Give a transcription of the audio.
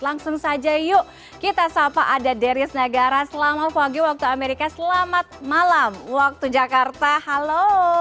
langsung saja yuk kita sapa ada deris nagara selamat pagi waktu amerika selamat malam waktu jakarta halo